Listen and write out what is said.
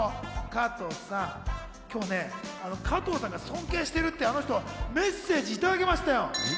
加藤さん、今日なんとね、加藤さんが尊敬してるってあの人からメッセージいただきましたよ。